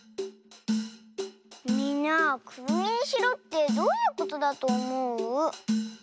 みんなくるみにしろってどういうことだとおもう？